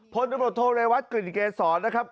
โพนโดรโทเววัสเกลียดเกสรนะครับ